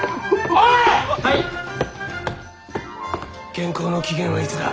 原稿の期限はいつだ？